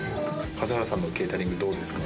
數原さんのケータリングどうですか？